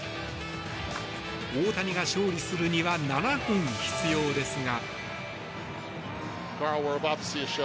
大谷が勝利するには７本必要ですが。